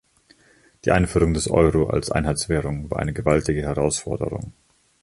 Die Einführung des Euro als Einheitswährung war eine gewaltige Herausforderung.